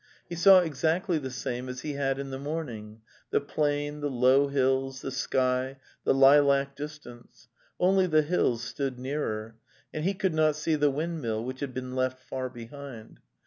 He saw ex actly the same as he had in the morning: the plain, the low hills, the sky, the lilac distance; only the hills stood nearer; and he could not see the wind mill, which had been left far behind.